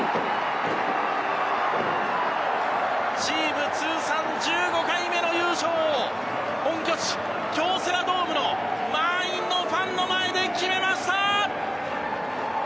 チーム通算１５回目の優勝を本拠地・京セラドームの満員のファンの前で決めました！